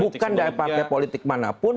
bukan dari partai politik manapun